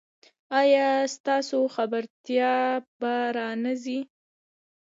ایا ستاسو خبرتیا به را نه ځي؟